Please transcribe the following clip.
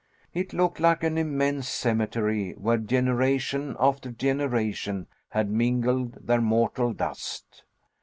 It looked like an immense cemetery, where generation after generation had mingled their mortal dust.